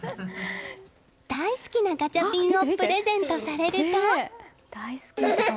大好きなガチャピンをプレゼントされると。